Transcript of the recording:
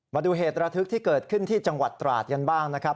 มาดูเหตุระทึกที่เกิดขึ้นที่จังหวัดตราดกันบ้างนะครับ